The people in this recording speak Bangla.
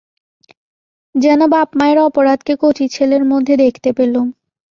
যেন বাপমায়ের অপরাধকে কচি ছেলের মধ্যে দেখতে পেলুম।